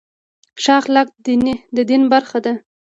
ښه اخلاق د دین برخه ده.